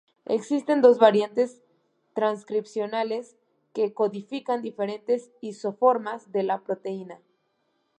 Existen dos variantes transcripcionales que codifican diferentes isoformas de la proteína.